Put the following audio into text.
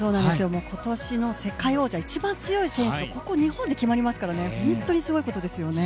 今年の世界王者一番強い選手がここ日本で決まりますから本当にすごいことですよね。